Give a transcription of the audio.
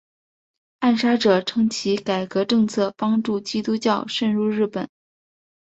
暗杀者称其改革政策帮助基督教渗入日本。